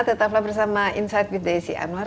tetaplah bersama insight with desi anwar